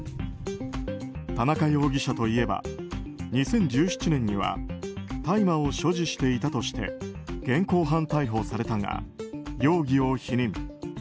田中容疑者といえば２０１７年には大麻を所持していたとして現行犯逮捕されたが容疑を否認。